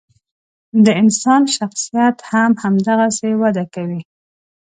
د انسان شخصیت هم همدغسې وده کوي.